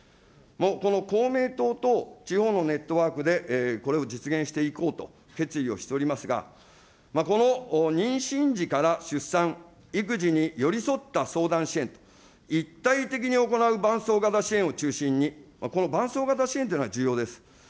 この公明党と地方のネットワークで、これを実現していこうと決意をしておりますが、この妊娠時から出産、育児に寄り添った相談支援、一体的に行う伴走型支援を中心に、この伴走型支援というのが重要です。